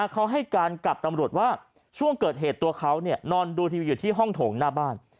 เขาให้การกับตำรวจว่าช่วงเกิดเหตุตัวเขานอนดูทีวีอยู่ที่ห้องโถงหน้าบ้าน